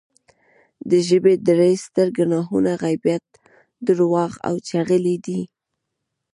د ژبې درې ستر ګناهونه غیبت، درواغ او چغلي دی